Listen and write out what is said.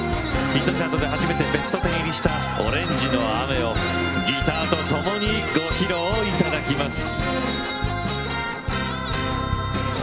ヒットチャートで初めてベスト１０入りした「オレンジの雨」をギターとともにご披露いただきます。